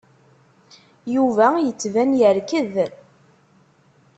Yuba yettban yerked.